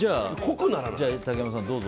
じゃあ竹山さん、どうぞ。